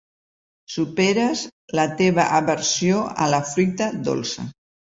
Superes la teva aversió a la fruita dolça.